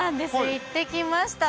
行ってきました。